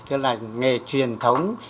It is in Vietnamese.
tức là nghề truyền thống